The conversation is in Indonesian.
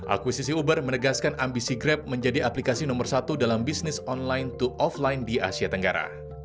akuisisi uber menegaskan ambisi grab menjadi aplikasi nomor satu dalam bisnis online to offline di asia tenggara